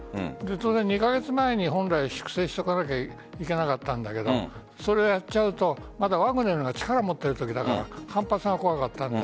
２カ月前に本来粛清しておかなければいけなかったけどそれをやっちゃうとワグネルが力を持っているときだから反発が怖かったので。